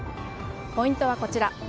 ポイントはこちら。